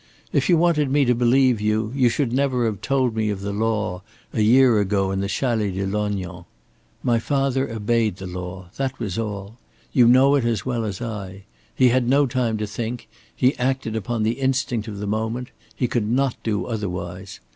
"If you wanted me to believe, you should never have told me of the law, a year ago in the Chalet de Lognan. My father obeyed the law that was all. You know it as well as I. He had no time to think; he acted upon the instinct of the moment; he could not do otherwise.